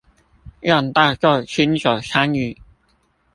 讓大眾親手參與